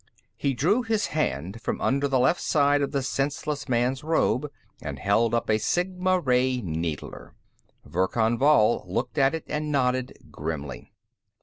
He drew his hand from under the left side of the senseless man's robe and held up a sigma ray needler. Verkan Vall looked at it and nodded grimly.